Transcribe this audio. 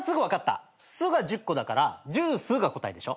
「す」が１０個だから「ジュース」が答えでしょ。